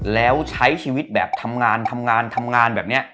แล้วใช้ชีวิตแบบทำงานทำงานทำงานแบบเนี่ย